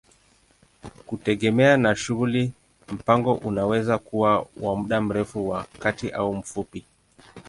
Kutegemea na shughuli, mpango unaweza kuwa wa muda mrefu, wa kati au mfupi.